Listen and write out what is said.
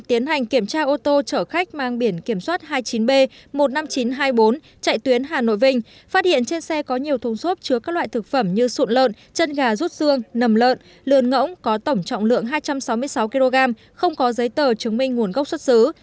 tiến hành kiểm tra ô tô chở khách mang biển kiểm soát hai mươi chín b một mươi năm nghìn chín trăm hai mươi bốn chạy tuyến hà nội vinh phát hiện trên xe có nhiều thùng xốp chứa các loại thực phẩm như sụn lợn chân gà rút xương nầm lợn lườn ngỗng có tổng trọng lượng hai trăm sáu mươi sáu kg không có giấy tờ chứng minh nguồn gốc xuất xứ